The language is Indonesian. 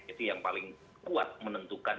itu yang paling kuat menentukan